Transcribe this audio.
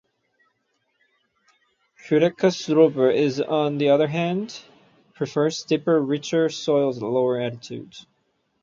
"Quercus robur", on the other hand, prefers deeper, richer soils at lower altitude.